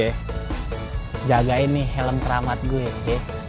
oke jagain nih helm keramat gue